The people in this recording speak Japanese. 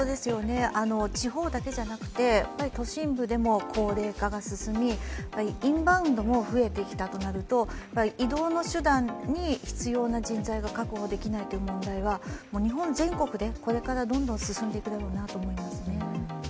地方だけじゃなくて、都心部でも高齢化が進み、インバウンドも増えてきたとなると移動の手段に必要な人材が確保できないっていう問題は、日本全国でこれからどんどん進んでいくんだろうなと思いますね。